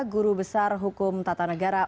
guru besar hukum tata negara